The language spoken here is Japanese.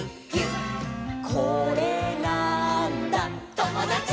「これなーんだ『ともだち！』」